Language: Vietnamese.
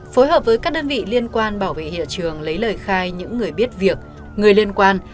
phối hợp với các đơn vị liên quan bảo vệ hiện trường lấy lời khai những người biết việc người liên quan